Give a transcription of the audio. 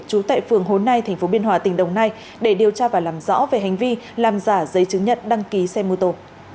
trú tại phường hồ nai tp biên hòa tỉnh đồng nai để điều tra và làm rõ về hành vi làm giả giấy chứng nhận đăng ký xe mô tô